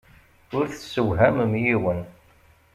Ur tessewhamem yiwen.